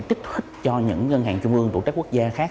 tích thích cho những ngân hàng trung ương trụ trách quốc gia khác